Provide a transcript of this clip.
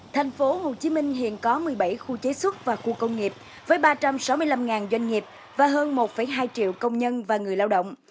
tp hcm hiện có một mươi bảy khu chế xuất và khu công nghiệp với ba trăm sáu mươi năm doanh nghiệp và hơn một hai triệu công nhân và người lao động